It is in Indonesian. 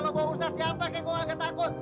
eh biar kata lo gue ustadz siapa kayak gue gak ketakut